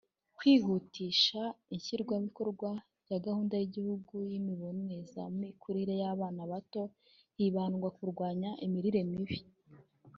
Kwihutisha ishyirwamubikorwa rya Gahunda y’Igihugu y’Imbonezamikurire y’Abana bato hibandwa ku kurwanya imirire mibi